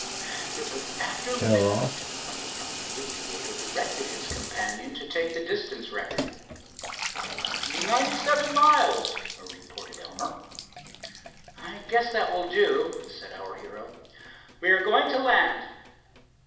It was after midnight when the young aviator directed his companion to take the distance record. "Ninety seven miles," reported Elmer. "I guess that will do," said our hero. "We are going to land."